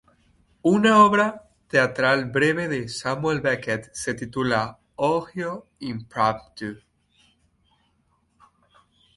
Una obra teatral breve de Samuel Beckett se titula "Ohio Impromptu".